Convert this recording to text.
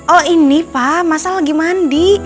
oh ini pa mas al lagi mandi